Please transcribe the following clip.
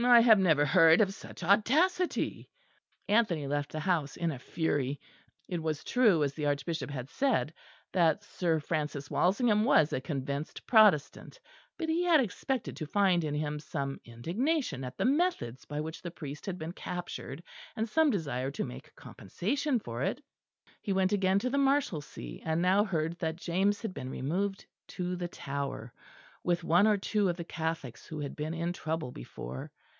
I have never heard of such audacity!" Anthony left the house in a fury. It was true, as the Archbishop had said, that Sir Francis Walsingham was a convinced Protestant; but he had expected to find in him some indignation at the methods by which the priest had been captured; and some desire to make compensation for it. He went again to the Marshalsea; and now heard that James had been removed to the Tower, with one or two of the Catholics who had been in trouble before.